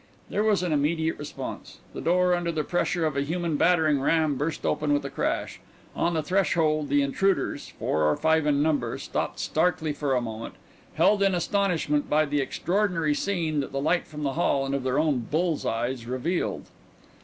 There was an immediate response. The door, under the pressure of a human battering ram, burst open with a crash. On the threshold the intruders four or five in number stopped starkly for a moment, held in astonishment by the extraordinary scene that the light from the hall, and of their own bull's eyes, revealed.